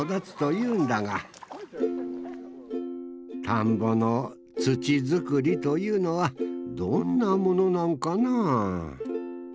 田んぼの土作りというのはどんなものなんかな？